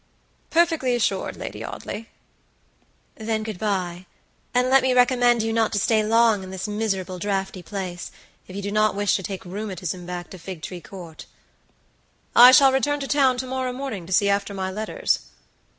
"Perfectly assured, Lady Audley." "Then good by, and let me recommend you not to stay long in this miserable draughty place, if you do not wish to take rheumatism back to Figtree Court." "I shall return to town to morrow morning to see after my letters."